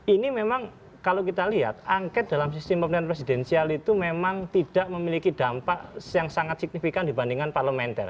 ini memang kalau kita lihat angket dalam sistem pemerintahan presidensial itu memang tidak memiliki dampak yang sangat signifikan dibandingkan parlementer